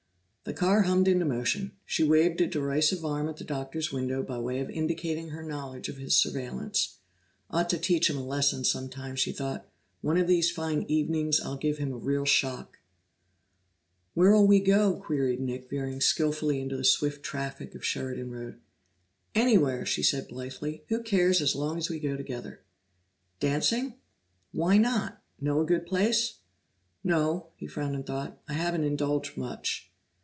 The car hummed into motion; she waved a derisive arm at the Doctor's window by way of indicating her knowledge of his surveillance. "Ought to teach him a lesson some time," she thought. "One of these fine evenings I'll give him a real shock." "Where'll we go?" queried Nick, veering skilfully into the swift traffic of Sheridan Road. "Anywhere!" she said blithely. "Who cares as long as we go together?" "Dancing?" "Why not? Know a good place?" "No." He frowned in thought. "I haven't indulged much."